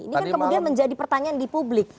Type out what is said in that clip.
ini kan kemudian menjadi pertanyaan di publik